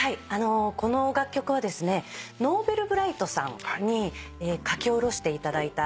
この楽曲はですねＮｏｖｅｌｂｒｉｇｈｔさんに書き下ろしていただいた